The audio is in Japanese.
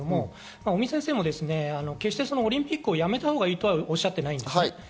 尾身先生も決してオリンピックをやめたほうがいいとはおっしゃっていないんです。